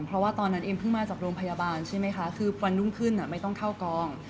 เพราะว่าตอนนั้นเอมเพิ่งมาจากโรงพยาบาลใช่ไหมคะคือวันรุ่งขึ้นไม่ต้องเข้ากอง